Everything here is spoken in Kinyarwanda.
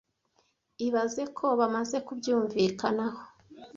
ibaze ko bamaze kubyumvikanaho